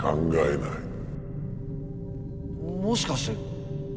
もしかしてお前。